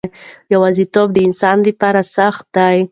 یوازیتوب د انسان لپاره سخت دی.